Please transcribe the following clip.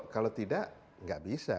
kalau tidak enggak bisa